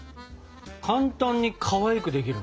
簡単にかわいくできるね！